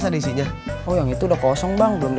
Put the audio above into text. ah lu egois im gak terima saran temen lu